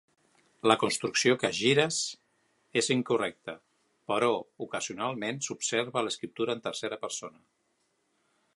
La construcció "kajiras" és incorrecta, però ocasionalment s'observa a l'escriptura en tercera persona.